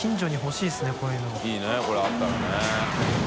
いいこれあったらね。